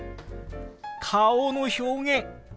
顔の表現！